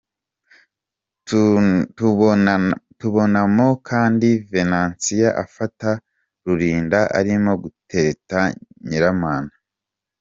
Tubonamo kandi Venansiya afata Rulinda arimo gutereta Nyiramana.